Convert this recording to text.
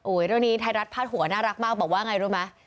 เรื่องนี้ไทยรัฐพาดหัวน่ารักมากบอกว่าไงรู้ไหม